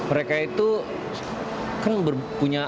dan mereka itu kan punya cukup banyak tantangan ya rintangan di jalanan gitu